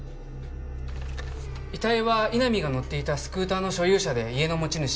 遺体は井波が乗っていたスクーターの所有者で家の持ち主